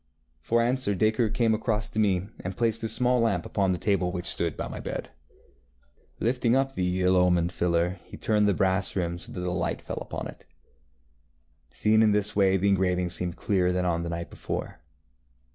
ŌĆØ For answer Dacre came across to me, and placed the small lamp upon the table which stood by my bed. Lifting up the ill omened filler, he turned the brass rim so that the light fell full upon it. Seen in this way the engraving seemed clearer than on the night before.